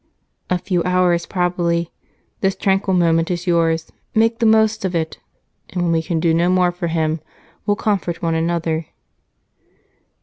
"A few hours, probably. This tranquil moment is yours make the most of it and, when we can do no more for him, we'll comfort one another."